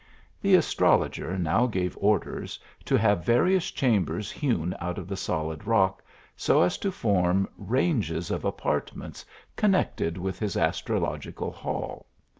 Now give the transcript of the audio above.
The astrologer now gave orders to have various chambers hewn out of the solid rock, so as to form ranges of apartments connected with his astrologi es. hall.